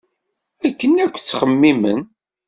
Akken akk i ttxemmimen.